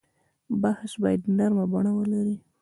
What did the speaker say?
بحث باید نرمه بڼه ولري.